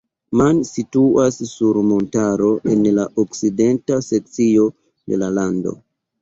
Man situas sur montaro en la okcidenta sekcio de la lando.